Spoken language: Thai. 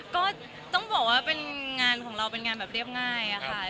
ก็ต้องบอกว่าเป็นงานของเราเป็นงานแบบเรียบง่ายค่ะ